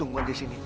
tunggu di sini